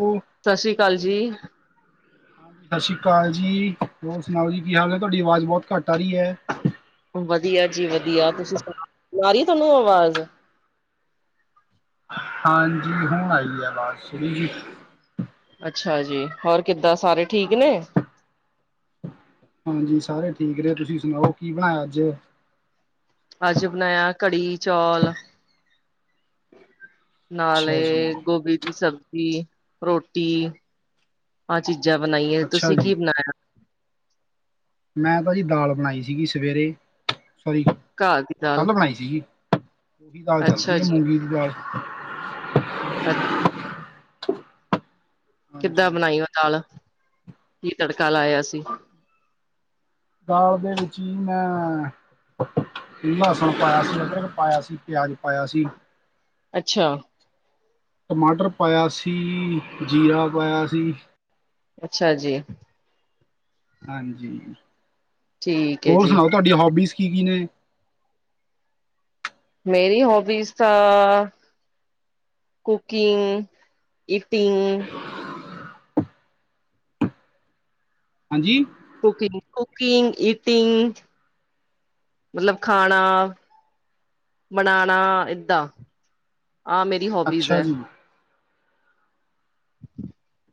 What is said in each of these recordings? ਹੋ। ਸਤਿ ਸ੍ਰੀ ਅਕਾਲ ਜੀ। ਹਾਂ ਸਤਿ ਸ੍ਰੀ ਅਕਾਲ ਜੀ ਹੋਰ ਸੁਣਾਓ ਜੀ ਕੀ ਹਾਲ ਹੈ ਤੁਹਾਡੀ ਆਵਾਜ਼ ਬਹੁਤ ਘੱਟ ਆ ਰਹੀ ਹੈ। ਵਧੀਆ ਜੀ ਵਧੀਆ ਤੁਸੀਂ ਸੁਣਾਓ? ਆ ਰਈ ਐ ਥੋਨੂੰ ਆਵਾਜ਼। ਹਾਂਜੀ ਹੁਣ ਆਈ ਐ। ਆਵਾਜ਼ ਥੋੜੀ ਜੀ ਅੱਛਾ ਜੀ ਹੋਰ ਕਿੱਦਾਂ ਸਾਰੇ ਠੀਕ ਨੇ। ਹਾਂਜੀ ਸਾਰੇ ਠੀਕ ਨੇ ਤੁਸੀਂ ਸੁਣਾਓ ਕੀ ਬਣਾਇਆ ਅੱਜ। ਅੱਜ ਬਣਾਇਆ‌ ਕੜੀ-ਚੌਲ। ਅੱਛਾ ਜੀ, ਨਾਲੇ ਗੋਭੀ ਦੀ ਸਬਜ਼ੀ ਰੋਟੀ। ਆਾ ਚੀਜ਼ਾਂ ਬਣਾਈਏ ਅੱਛਾ ਤੁਸੀਂ ਜੀ, ਕੀ ਬਣਾਇਆ। ਮੈਂ ਤਾਂ ਜੀ ਦਾਲ ਬਣਾਈ ਸੀਗੀ ਸਵੇਰੇ ਸੋਰੀ। ਘਾਹ ਦੀ ਦਾਲ ਕੱਲ ਬਣਾਈ ਸੀਗੀ ਉਹੀ ਦਾਲ ਚੱਲ ਅੱਛਾ ਰਹੀ ਹੈ ਜੀ ਮੂੰਗੀ ਦੀ ਦਾਲ। ਅੱਛ। ਕਿੱਦਾਂ ਹਾਂਜੀ। ਬਣਾਈ ਉਹ ਦਾਲ ਕੀ ਤੜਕਾ ਲਾਇਆ ਸੀ। ਦਾਲ ਦੇ ਵਿੱਚ ਹੀ ਮੈਂ ਲਸਣ ਪਾਇਆ ਸੀ ਅਦਰਕ ਪਾਇਆ ਸੀ। ਪਿਆਜ਼ ਪਾਇਆ ਸੀ। ਅੱਛਾ ਟਮਾਟਰ ਪਾਇਆ ਸੀ ਜੀਰਾ ਪਾਇਆ ਸੀ। ਅੱਛਾ ਜੀ। ਹਾਂਜੀ ਠੀਕ ਹੈ ਹੋਰ ਜੀ ਸੁਣਾਓ ਤੁਹਾਡੀਆਂ ਹੋਬੀਜ਼ ਕੀ ਕੀ ਨੇ। ਮੇਰੀ ਹੋਬੀਜ਼ ਤਾਂ। Cooking eating. ਹਾਂਜੀ। ਕੁਕਿੰਗ ਕੁਕਿੰਗ ਈਟਿੰਗ ਮਤਲਬ ਖਾਣਾ। ਬਣਾਉਣਾ ਏਦਾਂ ਆਹ ਮੇਰੀ ਹੋਬੀਜ਼ ਅੱਛਾ ਹੈ। ਜੀ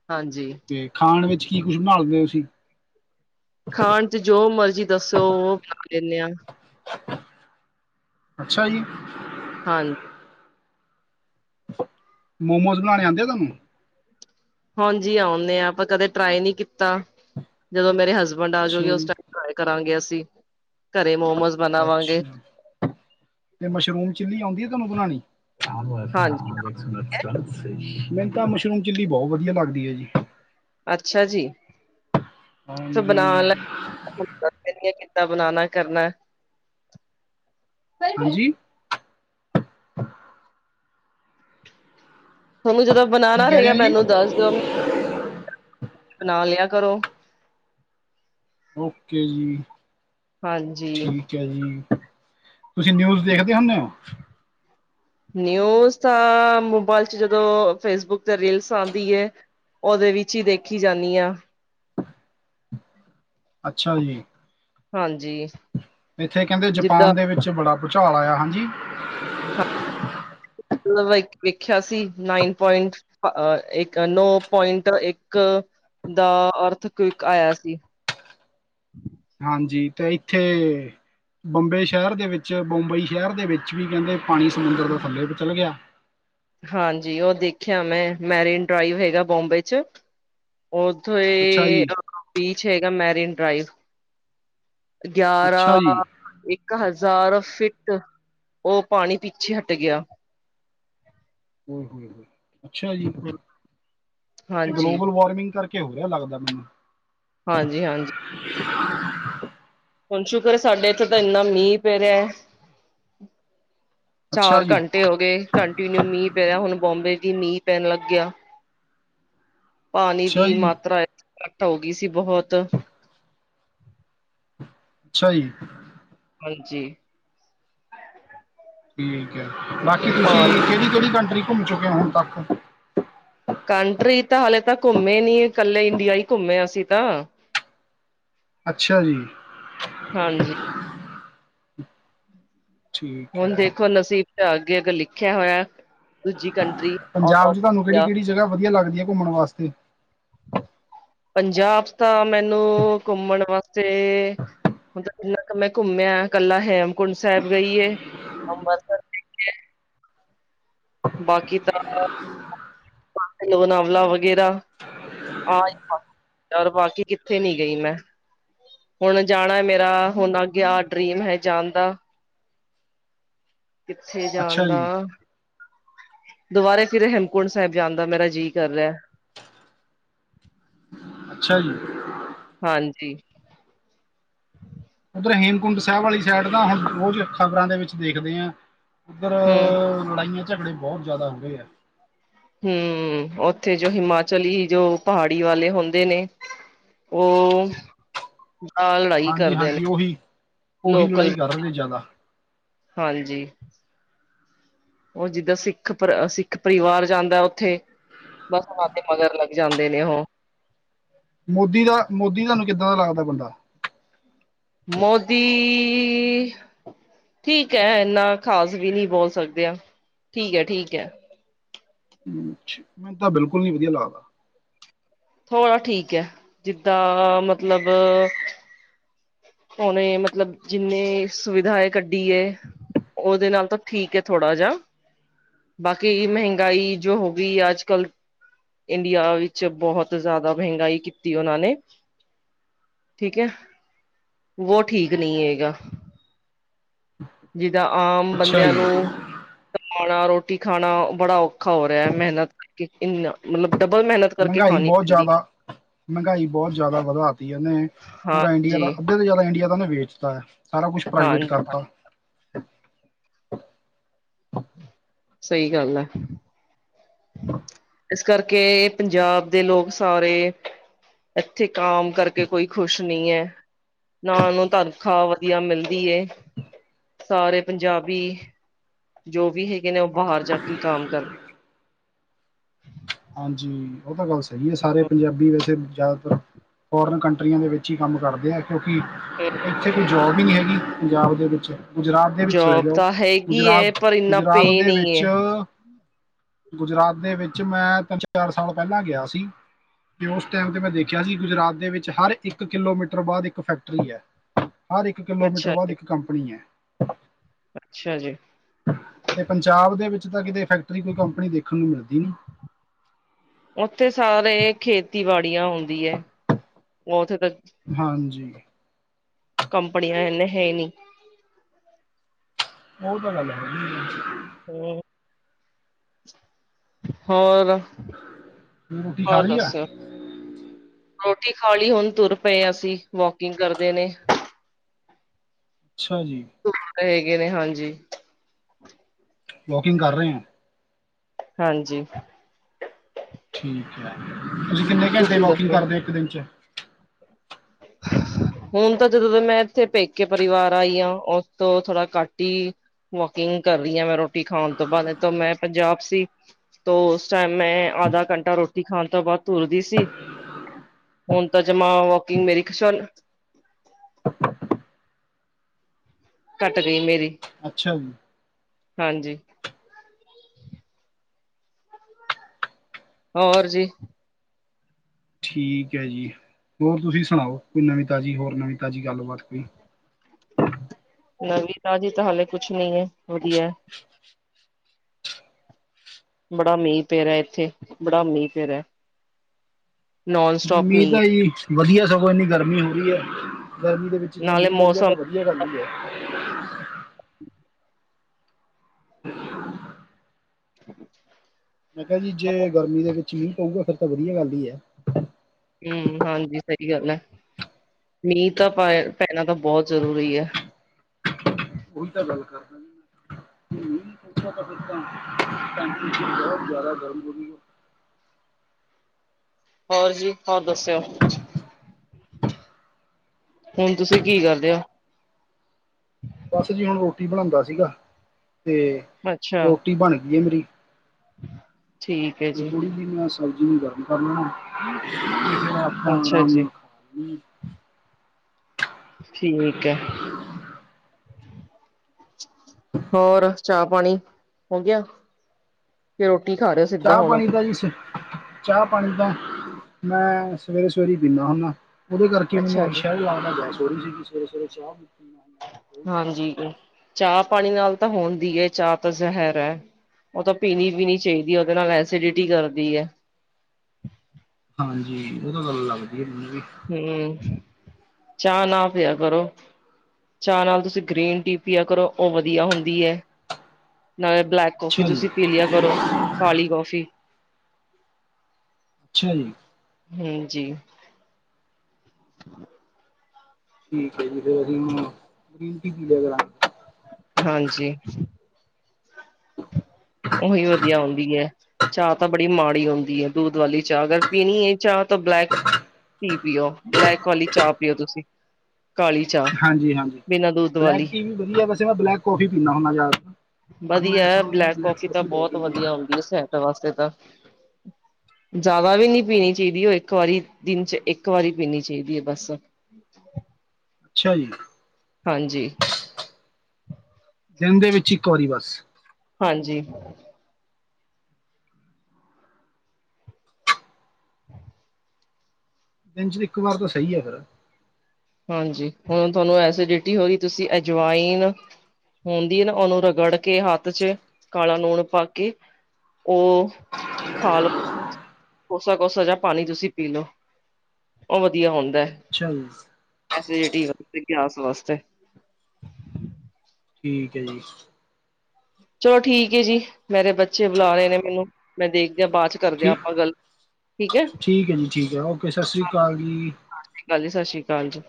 ਹਾਂਜੀ। ਤੇ ਖਾਣ ਵਿੱਚ ਕੀ ਕੁਝ ਬਣਾ ਦਦੇ ਤੁਸੀਂ? ਖਾਣ ਚ ਜੋ ਮਰਜ਼ੀ ਦੱਸੋ ਉਹ ਬਣਾ ਲਿੰਦੇ ਹਾਂ। ਅੱਛਾ ਜੀ ਹਾਂਜੀ ਮੋਮੋਸ ਬਣਾਣੇ ਆਉਂਦੇ ਆ ਤੁਹਾਨੂੰ। ਹਾਂਜੀ ਆਉਂਦੇ ਆਾਂ ਪਰ ਕਦੇ ਟਰਾਈ ਨਹੀਂ ਕੀਤਾ ਜਦੋਂ ਮੇਰੇ ਹਸਬੈਂਡ ਆਜੂਗੀ ਅੱਛਾ ਉਸ ਜੀ ਟਮ ਕਰਾਂਗੇ ਸੀ। ਅੱਛਾ ਤੇ ਮਸ਼ਰੂਮ ਚਿੱਲੀ ਆਉਂਦੀ ਹੈ ਤੁੈਾਨੂੰ ਬਣਾਉਣੀ। ਹਾਂਜੀ ਮੈਨੂੰ ਤਾਂ ਮਸ਼ਰੂਮ ਚਿੱਲੀ ਬਹੁਤ ਵਧੀਆ ਲੱਗਦੀ ਹੈ ਜੀ। ਅੱਛਾ ਜੀ ਤ ਬਣਾ ਹਾਂਜੀ ਲੈ। ਕੀਤਾ ਬਣਾਉਣਾ ਕਰਨਾ। ਤੁਹਾਨੂੰ ਹਾਂਜੀ। ਤੁਹਾਨੂੰ ਜਦੋਂ ਕੀ ਬਣਾਉਣਾ ਕਹਿ ਰਹੇ ਰਹੇਗਾ ਹੋ ਜੀ ਮੈਨੂੰ ਦੱਸ ਦਿਓ ਬਣਾ ਲਿਆ ਕਰੋ। ਓਕੇ ਜੀ ਹਾਂਜੀ ਠੀਕ। ਠੀਕ ਹੈ ਜੀ ਤੁਸੀਂ ਨਿਊਜ਼ ਦੇਖਦੇ ਹੁੰਦੇ ਹੋ। ਨਿਊਜ਼ ਤਾਂ ਮੋਬਾਇਲ ਚ ਜਦੋਂ ਫੇਸਬੁੱਕ ਤੇ ਰੀਲਸ ਆਉਂਦੀ ਹੈ। ਉਹਦੇ ਵਿੱਚ ਹੀ ਦੇਖੀ ਜਾਂਦੀ ਆ। ਅੱਛਾ ਜੀ। ਹਾਂਜੀ। ਇੱਥੇ ਕਹਿੰਦੇ ਜਿੱਦਾਂ ਜਪਾਨ ਦੇ ਵਿੱਚ ਬੜਾ ਭੂਚਾਲ ਆਇਆ ਹਾਂਜੀ। ਮਤਲਬ ਵੇਖਿਆ ਸੀ ਨਾਈਨ ਪੁਆਇੰਟ। ਇੱਕ ਨੌ ਪੁਆਇੰਟ ਇੱਕ ਦਾ ਅਰਥਕਵਿਕ ਆਇਆ ਸੀ। ਹਾਂਜੀ ਤੇ ਇੱਥੇ। ਬੰਬੇ ਸ਼ਹਿਰ ਦੇ ਵਿੱਚ ਬੰਬਈ ਸ਼ਹਿਰ ਦੇ ਵਿੱਚ ਵੀ ਕਹਿੰਦੇ ਪਾਣੀ ਸਮੁੰਦਰ ਦੇ ਥੱਲੇ ਚਲ ਗਿਆ ਹਾਂਜੀ ਉਹ ਦੇਖਿਆ ਮੈਂ ਮੈਰੀਨ ਡਰਾਈਵ ਹੈਗਾ ਬੋਂਬੇ ਚ ਓਥੋਂ ਅੱਛਾ ਜੀ, ਬੀਚ ਹੈਗਾ ਮੈਰੀਨ ਡਰਾਾਈਵ ਅੱਛਾ ਗਿਆਰਾਂ ਜੀ, ਇੱਕ ਹਜ਼ਾਰ ਫਿੱਟ ਉਹ ਪਾਣੀ ਪਿੱਛੇ ਹਟ ਗਿਆ। ਹੋ ਹੋ ਹੋ ਅੱਛਾ ਜੀ ਤੇ ਹਾਂਜੀ, ਗਲੋਬਲ ਵਾਰਮਿੰਗ ਕਰਕੇ ਹੋ ਰਿਹਾ ਲੱਗਦਾ ਮੈਨੂੰ। ਹਾਂਜੀ ਹਾਂਜੀ ਹੁਣ ਸ਼ੁਕਰ ਸਾਡੇ ਇੱਥੇ ਤਾਂ ਇੰਨਾ ਮੀਂਹ ਪੈ ਰਿਹਾ ਹੈ ਅੱਛਾ ਚਾਰ ਜੀ, ਘੰਟੇ ਤੇ ਹੋ ਗਏ ਕੰਟੀਨਿਊ ਮੀਂਹ ਪੈਿਆ ਹੁਣ ਬੋਂਬੇ ਦੀ ਮੀਂਹ ਪੈਣ ਲੱਗਿਆ। ਪਾਣੀ ਅੱਛਾ ਦੀ ਜੀ, ਮਾਤਰਾ ਘੱਟ ਹੋ ਗਈ ਸੀ ਬਹੁਤ। ਅੱਛਾ ਜੀ। ਹਾਂਜੀ ਠੀਕ ਹੈ ਬਾਕੀ ਤੁਸੀਂ ਪਾਣੀ ਕਿਹੜੀ-ਕਿਹੜੀ ਕੰਟਰੀ ਘੁੰਮ ਚੁੱਕੇ ਹੋ ਹੁਣ ਤੱਕ ਕੰਟਰੀ ਤਾਂ ਹਾਲੇ ਤਾਂ ਘੁੰਮੇ ਨਹੀਂ ਇਕੱਲੇ ਇੰਡੀਆ ਹੀ ਘੁੰਮੇ ਅਸੀਂ ਤਾਂ ਅੱਛਾ ਜੀ। ਹਾਂਜੀ ਠੀਕ ਹੁਣ ਹੈ ਦੇਖੋ ਨਸੀਬ 'ਚ ਅੱਗੇ ਅੱਗ ਲਿਖਿਆ ਹੋਇਆ। ਦੂਜੀ ਕੰਟਰੀ ਆਊਟ ਪੰਜਾਬ 'ਚ ਆਫ ਤੁਹਾਨੂੰ ਕਿਹੜੀ ਇੰਡੀਆ ਕਿਹੜੀ ਜਗ੍ਹਾ ਵਧੀਆ ਲੱਗਦੀ ਹੈ ਘੁੰਮਣ ਵਾਸਤੇ ਪੰਜਾਬ ਤਾਂ ਮੈਨੂੰ ਘੁੰਮਣ ਵਾਸਤੇ ਮਤਲਬ ਜਿੰਨਾ ਕੁ ਮੈਂ ਘੁੰਮਿਆ ਕੱਲਾ ਹੇਮਕੁੰਡ ਸਾਹਿਬ ਗਈਏ ਅੰਬਰਸਰ ਬਾਕੀ ਤਾਂ [unintelligible] ਵਗੈਰਾ ਆ ਈ ਥਾਂ ਯਾਰ ਬਾਕੀ ਕਿੱਥੇ ਨੀ ਗਈ ਮੈਂ ਹੁਣ ਜਾਣਾ ਮੇਰਾ ਹੁਣ ਆ ਗਿਆ ਡਰੀਮ ਹੈ ਜਾਣ ਦਾ ਕਿੱਥੇ ਜਾਣ ਅੱਛਾ ਦਾ। ਜੀ, ਦੁਬਾਰਾ ਫਿਰ ਹੇਮਕੁੰਟ ਸਾਹਿਬ ਜਾਂਦਾ ਮੇਰਾ ਜੀਅ ਕਰ ਰਿਹਾ। [inaudible] ਅੱਛਾ ਜੀ। ਹਾਂਜੀ। ਉਧਰ ਹੇਮਕੁੰਡ ਸਾਹਿਬ ਵਾਲੀ ਸਾਈਡ ਤਾਂ ਹੁਣ ਰੋਜ਼ ਖ਼ਬਰਾਂ ਦੇ ਵਿੱਚ ਦੇਖਦੇ ਆ ਉਧਰ ਹੂੰ ਲੜਾਈਆਂ ਝਗੜੇ ਬਹੁਤ ਜਿਆਦਾ ਹੋ ਗਏ ਆ। ਹੂੰ ਉਥੇ ਜੋ ਹਿਮਾਚਲੀ ਜੋ ਪਹਾੜੀ ਵਾਲੇ ਹੁੰਦੇ ਨੇ। ਉਹ ਆ ਲੜਾਈ ਹਾਂਜੀ ਕਰਦੇ ਹਾਂਜੀ ਉਹੀ ਨੇ ਉਹੀ ਲੋਕਲ ਲੜਾਈ ਕਰ ਰਹੇ ਜ਼ਿਆਦਾ ਹਾਂਜੀ ਉਹ ਜਿੱਦਾਂ ਸਿੱਖ ਪਰ ਸਿੱਖ ਪਰਿਵਾਰ ਜਾਂਦਾ ਉਥੇ ਬਸਾਂ ਦੇ ਮਗਰ ਲੱਗ ਜਾਂਦੇ ਨੇ ਉਹ ਮੋਦੀ ਦਾ ਮੋਦੀ ਤੁਹਾਨੂੰ ਕਿੱਦਾਂ ਦਾ ਲੱਗਦਾ ਬੰਦਾ ਮੋਦੀ ਠੀਕ ਹੈ ਇੰਨਾ ਖ਼ਾਸ ਵੀ ਨਹੀਂ ਬੋਲ ਸਕਦੇ ਆ ਠੀਕ ਹੈ ਠੀਕ ਹੈ। ਛ ਮੈਨੂੰ ਤਾਂ ਬਿਲਕੁਲ ਨੀ ਵਧੀਆ ਲੱਗਦਾ। ਥੋੜਾ ਠੀਕ ਹੈ ਜਿੱਦਾਂ ਮਤਲਬ ਹੁਨੇ ਮਤਲਬ ਜਿੰਨੇ ਸੁਵਿਧਾ ਕੱਢੀ ਹੈ। ਉਹਦੇ ਨਾਲ ਤਾਂ ਠੀਕ ਹੈ ਥੋੜ੍ਹਾ ਜਿਹਾ ਬਾਕੀ ਮਹਿੰਗਾਈ ਜੋ ਹੋ ਗਈ ਅੱਜ ਕੱਲ ਇੰਡੀਆ ਵਿੱਚ ਬਹੁਤ ਜ਼ਿਆਦਾ ਮਹਿੰਗਾਈ ਕੀਤੀ ਉਹਨਾਂ ਨੇ। ਠੀਕ ਹੈ। ਵੋ ਠੀਕ ਨਹੀਂ ਹੈਗਾ। ਜਿੱਦਾਂ ਆਮ ਅੱਛਾ ਜੀ ਬੰਦਿਆਂ ਨੂੰ ਕਾਮਣਾ ਰੋਟੀ ਖਾਣਾ ਬੜਾ ਔਖਾ ਹੋ ਰਿਹਾ ਹੈ ਮਿਹਨਤ ਕਰਕੇ ਇੰਨਾ ਮਤਲਬ ਡਬਲ ਮਿਹਨਤ ਕਰਕੇ ਮਹਿੰਗਾਈ ਖਾਣੀ ਬਹੁਤ ਪੈਂਦੀ ਜ਼ਿਆਦਾ ਮਹਿੰਗਾਈ ਬਹੁਤ ਜ਼ਿਆਦਾ ਵਧਾ ਤੇ ਉਹਨੇ ਪੂਰਾ ਇੰਡੀਆ ਦਾ ਹਾਂਜੀ ਅੱਧੇ ਤੇ ਜ਼ਿਆਦਾ ਇੰਡੀਆ ਦਾ ਇਨੇ ਵੇਚਤਾ ਹੈ। ਸਾਰਾ ਕੁਛ ਪ੍ਰਾਈਵੇਟ ਹਾਂਜੀ ਕਰਤਾ। ਸਹੀ ਗੱਲ ਹੈ। ਇਸ ਕਰਕੇ ਪੰਜਾਬ ਦੇ ਲੋਕ ਸਾਰੇ ਇੱਥੇ ਕਾਮ ਕਰਕੇ ਕੋਈ ਖੁਸ਼ ਨਹੀਂ ਹੈ। ਨ ਨੂੰ ਤਨਖਾਹ ਵਧੀਆ ਮਿਲਦੀ ਏ। ਸਾਰੇ ਪੰਜਾਬੀ ਜੋ ਵੀ ਹੈਗੇ ਨੇ ਉਹ ਬਾਹਰ ਜਾ ਕੇ ਕੰਮ ਕਰਦੇ। [inaudible] ਹਾਂਜੀ ਉਹ ਤਾਂ ਗੱਲ ਸਹੀ ਹੈ ਸਾਰੇ ਕਰਦੇ ਪੰਜਾਬੀ ਵੈਸੇ ਜ਼ਿਆਦਾਤਰ ਫੋਰਨ ਕੰਟਰੀਆਂ ਦੇ ਵਿੱਚ ਹੀ ਕੰਮ ਕਰਦੇ ਆ ਕਿਉਂਕਿ ਇੱਥੇ ਕੋਈ ਜੋਬ ਹੀ ਨਹੀਂ ਹੈਗੀ। ਪੰਜਾਬ ਦੇ ਵਿੱਚ ਗੁਜਰਾਤ ਦੇ ਵਿੱਚ ਚਲੇ ਜੋਬ ਜਾਓ ਤਾਂ ਹੈਗੀ ਹੈ ਗੁਜਰਾਤ, ਪਰ ਇੰਨਾ ਪੇ ਗੁਜਰਾਤ ਦੇ ਨਹੀਂ ਹੈ ਵਿੱਚ ਗੁਜਰਾਤ ਦੇ ਵਿੱਚ ਮੈਂ ਤਿੰਨ, ਚਾਰ ਸਾਲ ਪਹਿਲਾਂ ਗਿਆ ਸੀ। ਤੇ ਉਸ ਟਾਈਮ ਤੇ ਮੈਂ ਦੇਖਿਆ ਸੀ, ਗੁਜਰਾਤ ਦੇ ਵਿੱਚ ਹਰ ਇੱਕ ਕਿਲੋਮੀਟਰ ਬਾਅਦ ਇੱਕ ਫੈਕਟਰੀ ਹੈ। ਹਰ ਇੱਕ ਕਿਲੋਮੀਟਰ, ਅੱਛਾ ਬਾਦ ਜੀ ਇੱਕ ਕੰਪਨੀ ਹੈ। ਅੱਛਾ, ਜੀ। ਤੇ ਪੰਜਾਬ ਦੇ ਵਿੱਚ ਤਾਂ ਕਿਤੇ ਫੈਕਟਰੀ, ਕੋਈ ਕੰਪਨੀ ਦੇਖਣ ਨੂੰ ਮਿਲਦੀ ਨੀ। ਉੱਥੇ ਸਾਰੇ ਖੇਤੀ ਬਾਾੜੀਆਂ ਹੁੰਂਦੀ ਹੈ ਉੱਥੇ ਤ ਹਾਂਜੀ। ਕੰਪਨੀ ਹੈਨੇ ਹੈ ਨਹੀ। ਉਹ ਤਾਂ ਗੱਲ ਹੈ। ਹੋਰ? ਰੋਟੀ ਖਾ ਹੋਰ ਲਈ ਆ? ਦੱਸੋ ਰੋਟੀ ਖਾ ਲੀ ਹੁਣ ਤੁਰ ਪਏ ਅਸੀਂ ਵਾਕਿੰਗ ਕਰਦੇ ਨੇ। ਅੱਛਾ, ਜੀ। ਘੂਮਦੇ ਹੈਗੇ ਨੇ ਹਾਂਜੀ। ਵੋਕਿੰਗ ਕਰ ਰਹੇ ਹਾਂ? ਹਾਂਜੀ। ਤੁਸੀਂ ਕਿੰਨੇ ਘੰਟੇ ਤੁਸੀਂ ਵੋਕਿੰਗ ਦੱਸੋ ਕਰਦੇ ਹੋ ਇੱਕ ਦਿਨ ਚ? ਹਾਂ। [unintelligible] ਹੁਣ ਤਾਂ ਜਦੋਂ ਦਾ ਮੈਂ ਇੱਥੇ ਪੇਕੇ ਪਰਿਵਾਰ ਆਈ ਹਾਂ ਉਸ ਤੋਂ ਥੋੜਾ ਘੱਟ ਹੀ ਵਾਕਿੰਗ ਕਰ ਰਹੀ ਹਾਂ ਮੈਂ ਰੋਟੀ ਖਾਣ ਤੋਂ ਬਾਅਦ ਤੋ ਮੈਂ ਪੰਜਾਬ ਸੀ ਤੋ ਉਸ ਟਾਈਮ ਮੈਂ ਆਧਾ ਘੰਟਾ ਰੋਟੀ ਖਾਣ ਤੋਂ ਬਾਅਦ ਤੁਰਦੀ ਸੀ। ਹੁਣ ਤਾਂ ਜਮਾ ਵੋਕਿੰਗ ਮੇਰੀ ਖਛ ਘੱਟ ਗਈ ਮੇਰੀ। ਅੱਛਾ, ਜੀ। ਹਾਂਜੀ। ਹੋਰ, ਜੀ। ਠੀਕ ਹੈ ਜੀ ਹੋਰ ਤੁਸੀਂ ਸੁਣਾਓ ਕੋਈ ਨਵੀਂ, ਤਾਜ਼ੀ ਹੋਰ ਨਵੀਂ, ਤਾਜ਼ੀ ਗੱਲਬਾਤ ਕੋਈ? ਨਵੀਂ ਤਾਜੀ ਤਾਂ ਹਾਲੇ ਕੁਛ ਨੀ ਹੈ, ਵਧੀਆ। ਬੜਾ ਮੀਂਹ ਪੈ ਰਾ ਇੱਥੇ ਬੜਾ ਮੀਂਹ ਪੈ ਰਾ। ਮੀਂ ਮੀਂਹ ਦਾ ਹੈ ਈ ਵਧੀਆ ਸਗੋਂ ਇੰਨੀ ਗਰਮੀ ਹੋ ਰਹੀ ਹੈ ਗਰਮੀ ਦੇ ਵਿੱਚ ਜੇ ਨਾਲੇ ਮੀਂਹ ਪਊਗਾ ਮੌਸਮ ਤਾਂ ਵਧੀਆ ਗੱਲ ਈ ਹੈ। [inaudible] ਹਾਂ। [unintelligible] ਹੂੰ। [inaudible] ਮੈਂ ਕਿਹਾ ਜੀ, ਜੇ ਗਰਮੀ ਦੇ ਵਿੱਚ ਮੀਂਹ ਪਊਗਾ ਫੇਰ ਤਾਂ ਵਧੀਆ ਗੱਲ ਈ ਐ। ਹੂੰ, ਹਾਂਜੀ ਸਹੀ ਗੱਲ ਹੈ ਮੀਂਹ ਤਾਂ ਪੈ ਪੈਣਾ ਤਾਂ ਬਹੁਤ ਜ਼ਰੂਰੀ ਹੈ। ਉਹੀ ਤਾਂ ਗੱਲ ਹੈ। ਹੂੰ ਨਹੀਂ ਫੇਰ ਤਾਂ। [unintelligible] ਪੈਂਦੀ ਸੀ ਬਹੁਤ ਜ਼ਿਆਦਾ ਗਰਮ ਹੋ ਜੂਗਾ ਹੋਰ ਜੀ, ਹੋਰ ਦੱਸਿਓ? ਹੁਣ ਤੁਸੀਂ ਕੀ ਕਰਦੇ ਹੋ? ਬਸ ਜੀ, ਹੁਣ ਰੋਟੀ ਬਣਾਉਂਦਾ ਸੀਗਾ ਤੇ ਅੱਛਾ। ਰੋਟੀ ਬਣ ਗੀ ਏ ਮੇਰੀ। ਠੀਕ। ਹੈ ਤੇ ਜੀ ਥੋੜ੍ਹੀ ਜਿਹੀ ਮੈਂ ਸਬਜ਼ੀ ਨੂੰ ਗਰਮ ਕਰ ਲੈਣਾ ਫੇਰ ਆਪਾਂ ਅੱਛਾ ਅਰਾਮ ਜੀ ਨਾਲ ਖਾਣੀ। ਠੀਕ ਹੈ। ਹੋਰ ਚਾਹ ਪਾਣੀ ਹੋ ਗਿਆ ਕੇ ਰੋਟੀ ਖਾ ਰਹੇ ਹੋ ਸਿੱਧਾ ਹੁਣ? ਪਰ ਜੀ। [unintelligible] ਚਾਹ, ਪਾਣੀ ਤਾਂ ਮੈਂ ਸਵੇਰੇ, ਸਵੇਰੇ ਹੀ ਪੀਨਾ ਹੁਨਾ। ਔਹਦੇ ਕਰਕੇ ਮੈਨੂੰ ਅੱਛਾ ਅੱਜ ਜੀ ਸ਼ਹਿਰ ਜਾਣਾ ਪਿਆ ਥੋੜ੍ਹੀ ਜੀ ਸਵੇਰੇ ਸਵੇਰੇ ਚਾਹ। ਹਾਂਜੀ ਚਾਹ ਪਾਣੀ ਨਾਲ ਤਾਂ ਹੁੰਦੀ ਹੈ ਚਾਹ ਤਾਂ ਜ਼ਹਿਰ ਹੈ। ਔਹ ਤਾਂ ਪੀਣੀ ਵੀ ਨਹੀਂ ਚਾਹੀਦੀ ਹੈ ਔਹਦੇ ਨਾਲ ਐਸੀਡਿਟੀ ਕਰਦੀ ਹੈ। ਹਾਂਜੀ ਔਹ ਤਾਂ ਗੱਲ ਲਗਦੀ ਹੈ ਮੈਨੂੰ ਵੀ। ਹਮ ਚਾਹ ਨਾ ਪਿਆ ਕਰੋ। ਚਾਹ ਨਾਲ ਤੁਸੀਂ ਗ੍ਰੀਨ ਟੀ ਪੀਆ ਕਰੋ ਉਹ ਵਧੀਆ ਹੋਂਦੀ ਹੈ। ਨਾਲੇ ਬਲੈਕ ਕੌਫੀ ਅੱਛਾ ਜੀ ਤੁਸੀਂ ਪੀਲਿਆ ਕਰੋ ਕਾਲੀ ਕੌਫੀ। ਅੱਛਾ ਜੀ। ਹਾਂਜੀ। ਠੀਕ ਹੈ ਜੀ ਫੇਰ ਅਸੀਂ ਹੁਣ ਗ੍ਰੀਨ ਟੀ ਪੀ ਲਿਆ ਕਰਾਂਗੇ। ਹਾਂਜੀ। ਔਹੀ ਵਧੀਆ ਹੋਦੀ ਹੈ। ਚਾਹ ਤਾਂ ਬੜੀ ਮਾੜੀ ਹੁੰਦੀ ਹੈ ਦੁੱਧ ਵਾਲੀ ਚਾਹ ਅਗਰ ਪੀਣੀ ਹੈ ਚਾਹ ਤਾਂ ਬਲੈਕ ਟੀ ਪੀਓ ਬਲੈਕ ਵਾਲੀ ਚਾਹ ਪੀਓ ਤੁਸੀਂ ਕਾਲੀ ਚਾਹ ਹਾਂਜੀ ਹਾਂਜੀ ਬਿਨਾਂ ਦੁੱਧ ਬਲੈਕ ਵਾਲੀ। ਟੀ ਵੀ ਵਧੀਆ ਵੈਸੇ ਮੈਂ ਬਲੈਕ ਕਾਫੀ ਪੀਨਾ ਹੁੰਨਾ ਜਿਆਦਾ ਤਰ। ਵਧੀਆ ਬਲੈਕ ਕਫੀ ਤਾਂ ਬਹੁਤ ਕੇ ਨਹੀਂ ਆਇਆ ਵਧੀਆ ਹੁੰਦੀ ਹੈ ਸਿਹਤ ਵਾਸਤੇ ਤਾਂ। ਜ਼ਿਆਦਾ ਵੀ ਨਹੀਂ ਪੀਣੀ ਚਾਹੀਦੀ ਔਹ ਇੱਕ ਵਾਰੀ ਦਿਨ ਚ ਇੱਕ ਵਾਰੀ ਪੀਣੀ ਚਾਹੀਦੀ ਹੈ ਬਸ। [inaudible] ਅੱਛਾ ਜੀ। ਹਾਂਜੀ। [inaudible] ਦਿਨ ਦੇ ਵਿੱਚ ਇੱਕ ਵਾਰੀ ਬੱਸ। ਹਾਂਜੀ। ਦਿਨ 'ਚ ਇੱਕ ਵਾਰ ਤਾਂ ਸਹੀ ਹੈ ਫੇਰ। ਹਾਂਜੀ, ਏਹੁਣ ਤੁਹਾਨੂੰ ਐਸੀਡਿਟੀ ਹੋ ਰਹੀ ਤੁਸੀਂ ਐਜਵਾਈਨ। ਹੁੰਦੀ ਹੈ ਨਾ ਔਹਨੂੰ ਰਗੜ ਕੇ ਹੱਥ 'ਚ ਕਾਲਾ ਲੂਣ ਪਾ ਕੇ। ਉਹ ਖਾ ਲੋੋ। ਕੋਸਾ ਕੋਸਾ ਜਾਂ ਪਾਣੀ ਤੁਸੀਂ ਪੀ ਲਓ। ਔਹ ਵਧੀਆ ਹੁੰਦਾ ਹੈ। ਅੱਛਾ ਜੀ। ਐਸੀਡਿਟੀ ਅ ਗੈਸ ਵਾਸਤੇ। ਠੀਕ ਹੈ ਜੀ। ਚਲੋ ਠੀਕ ਹੈ, ਜੀ ਮੇਰੇ ਬੱਚੇ ਬੁਲਾ ਰਹੇ ਨੇ ਮੈਨੂੰ ਮੈਂ ਦੇਖਦਿਆਂ ਬਾਅਦ 'ਚ। ਕਰਦੇ ਹਾਂ ਠੀ ਆਪਾਂ ਗੱਲ ਠੀਕ ਹੈ। ਠੀਕ ਹੈ ਜੀ ਠੀਕ ਹੈ ਓਕੇ ਸਤਿ ਸ਼੍ਰੀ ਅਕਾਲ ਜੀ ਸਸਸ੍ਰੀ ਕਾਲ ਜੀ ਸਸਸ੍ਰੀ ਕਾਲ ਜੀ।